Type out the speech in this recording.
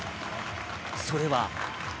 それは。